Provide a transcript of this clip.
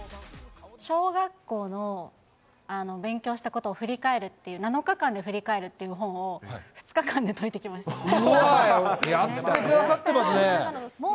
小学校の勉強したことを振り返るっていう、７日間で振り返るっていう本を、やってくださってますね。